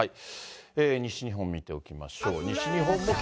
西日本見ておきましょう。